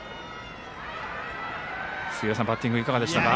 杉浦さん、バッティングいかがでしたか？